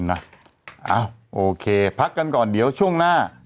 เอ้าโอเคพักกันก่อนเดี๋ยวช่วงหน้า